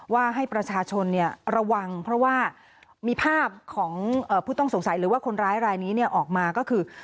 ว่าให้ประชาชนระวังเพราะว่ามีภาพของผู้ต้องสงสัยหรือว่าคนร้ายรายนี้ออกมาก็คือ